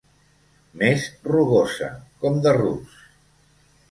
Més rugosa, com de rus.